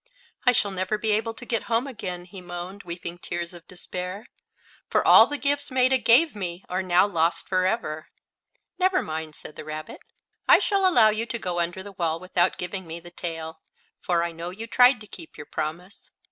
"I shall never be able to get home again," he moaned, weeping tears of despair, "for all the gifts Maetta gave me are now lost forever!" "Never mind," said the rabbit, "I shall allow you to go under the wall without giving me the tail, for I know you tried to keep your promise.